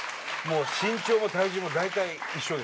身長も体重もだいたい一緒です。